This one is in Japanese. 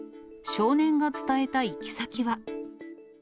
少年が伝えた行き先は。